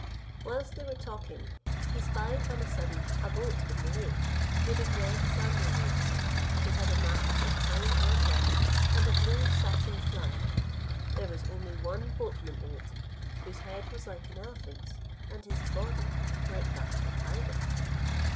Whilst they were talking, he spied on a sudden a boat in the lake, made of red sandal wood. It had a mast of fine amber, and a blue satin flag: there was only one boatman in it, whose head was like an elephant's, and his body like that of a tiger.